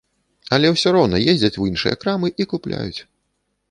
Але ўсё роўна ездзяць у іншыя крамы і купляюць.